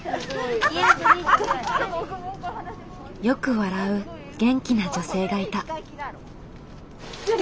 よく笑う元気な女性がいた。